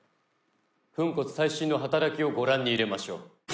粉骨砕身の働きをご覧に入れましょう」